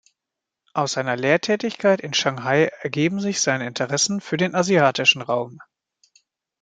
Aus seiner Lehrtätigkeit in Shanghai ergeben sich seine Interessen für den asiatischen Raum.